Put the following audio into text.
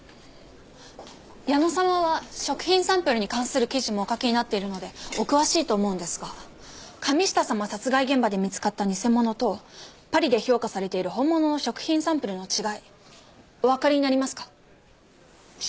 矢野様は食品サンプルに関する記事もお書きになっているのでお詳しいと思うんですが神下様殺害現場で見つかった偽物とパリで評価されている本物の食品サンプルの違いおわかりになりますか？